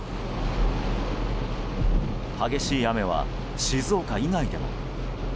激しい雨は静岡以外でも。